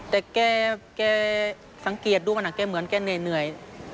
แต่แกสังเกตดูมันแกเหมือนแกเหนื่อย